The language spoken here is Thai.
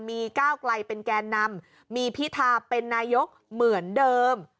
มีก้าวไกลเป็นแกนนำมีพิธาเป็นนายกเหมือนเดิม